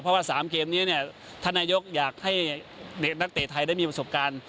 เพราะว่า๓เกมนี้ธนยกอยากให้เด็กนักเตะไทยได้มีประสบการณ์